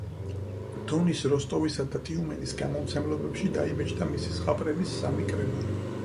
დონის როსტოვისა და ტიუმენის გამომცემლობებში დაიბეჭდა მისი ზღაპრების სამი კრებული.